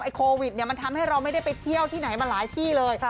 โควิดมันทำให้เราไม่ได้ไปเที่ยวที่ไหนมาหลายที่เลย